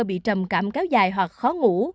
bị trầm cảm kéo dài hoặc khó ngủ